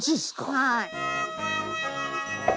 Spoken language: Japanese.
はい。